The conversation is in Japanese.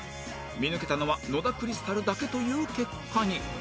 見抜けたのは野田クリスタルだけという結果に